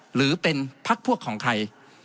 หรือเป็นพักพวกของใคร